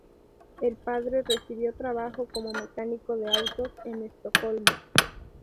El padre recibió trabajo como mecánico de autos en Estocolmo.